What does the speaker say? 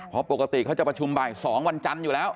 เพราะปกติเขาจะประชุมบ่าย๒วันจันทร์อยู่แล้ว